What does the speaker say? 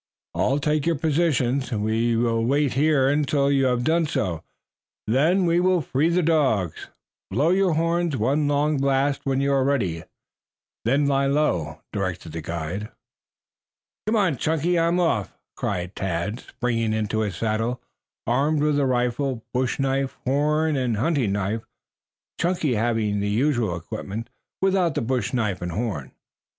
"All take your positions. We will wait here until you have done so, then we will free the dogs. Blow your horns, one long blast when you are ready, then lie low," directed the guide. "Come on, Chunky; I'm off," cried Tad, springing into his saddle, armed with rifle, bush knife, horn and hunting knife, Chunky having the usual equipment without the bush knife and horn.